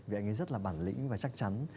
vì anh ấy rất là bản lĩnh và chắc chắn